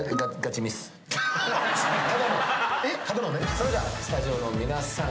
それではスタジオの皆さん